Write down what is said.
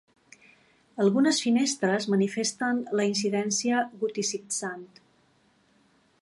Algunes finestres manifesten la incidència goticitzant.